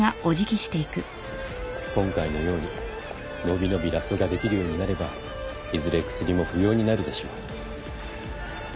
今回のように伸び伸びラップができるようになればいずれ薬も不要になるでしょう。